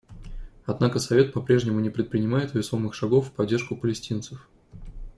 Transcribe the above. Однако Совет по-прежнему не предпринимает весомых шагов в поддержку палестинцев.